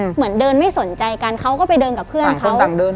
เหมือนเดินไม่สนใจกันเขาก็ไปเดินกับเพื่อนเขา